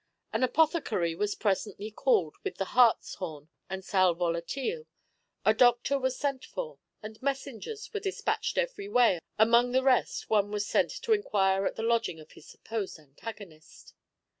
An apothecary was presently called with hartshorn and sal volatile, a doctor was sent for, and messengers were despatched every way; amongst the rest, one was sent to enquire at the lodgings of his supposed antagonist.